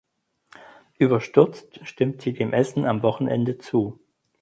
Überstürzt stimmt sie dem Essen am Wochenende zu.